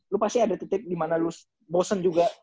lo pasti ada titik dimana lo bosen juga